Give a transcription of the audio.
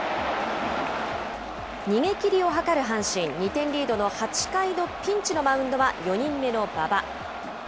逃げ切りを図る阪神、２点リードの８回のピンチのマウンドは、４人目の馬場。